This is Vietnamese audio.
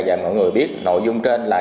và mọi người biết nội dung trên là